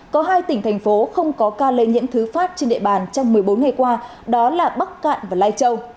có hai tỉnh thành phố không có ca lây nhiễm thứ phát trên địa bàn trong một mươi bốn ngày qua đó là bắc cạn và lai châu